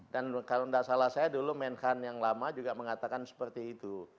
dan kalau tidak salah saya dulu mengan yang lama juga mengatakan seperti itu